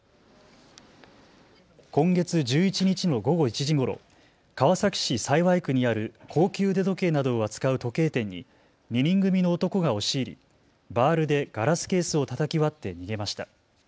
今月１１日の午後１時ごろ、川崎市幸区にある高級腕時計などを扱う時計店に２人組の男が押し入りバールでガラスケースをたたき割って逃げました。